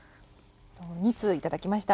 ２通頂きました。